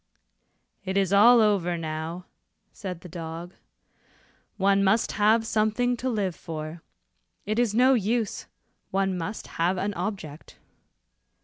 "It is all over now," said the dog, "one must have something to live for. It is no use, one must have an object."